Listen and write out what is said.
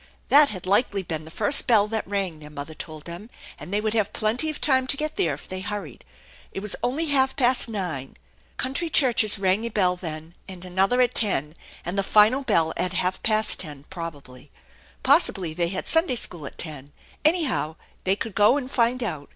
That had likely been the first bell that rang, their mother told them, and they would have plenty of time to get there if they hurried. It was only half past nine. Country churches rang a bell then, and another at ten, and the final bell at half past ten, probably. Possibly they had Sunday school at ten. Anyhow, they could go and find out.